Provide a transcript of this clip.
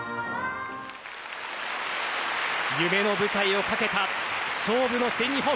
夢の舞台をかけた勝負の全日本。